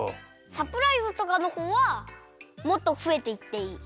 サプライズとかのほうはもっとふえていっていい。